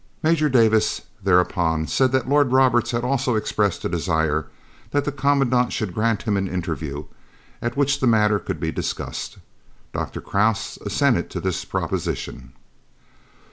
Major Davis thereupon said that Lord Roberts had also expressed a desire that the Commandant should grant him an interview, at which the matter could be discussed. Dr. Krause assented to this proposition.